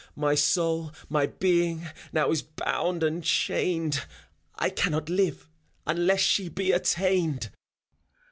My soul, my being, now is bound and chained; I cannot live, unless she be attained.